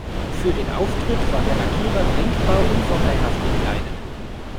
Für den Auftritt war der Lackierer denkbar unvorteilhaft gekleidet.